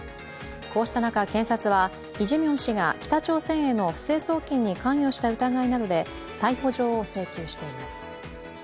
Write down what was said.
こうした中、検察はイ・ジェミョン氏が北朝鮮への不正送金に関与した疑いなどで逮捕状を請求しています。